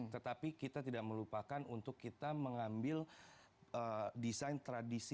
tetapi kita tidak melupakan untuk kita mengambil desain tradisi